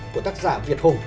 của tác giả việt hùng